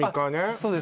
そうです